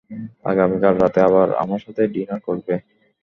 আগামীকাল রাতে আবার আমার সাথে ডিনার করবে?